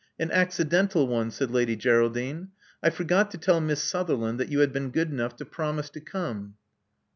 An accidental one," said Lady Geraldine. I for got to tell Miss Sutherland that you had been good enough to promise to come."